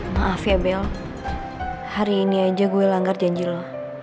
maaf ya bel hari ini aja gue langgar janji lo